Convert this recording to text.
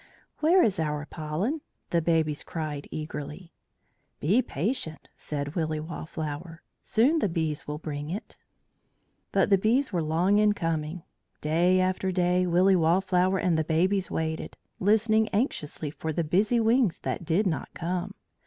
"Where is our pollen?" the babies cried eagerly. "Be patient," said Willy Wallflower. "Soon the bees will bring it." But the bees were long in coming. Day after day Willy Wallflower and the babies waited, listening anxiously for the busy wings that did not come.